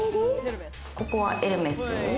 ここはエルメス。